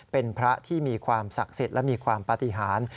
เป็นพระที่มีความศักดิ์สิทธิ์และมีความปฏิหาร